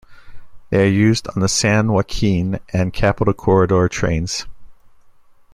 They are used on the "San Joaquin" and "Capital Corridor" trains.